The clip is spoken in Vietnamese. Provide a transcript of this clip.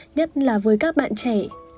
nhất là với các bạn trẻ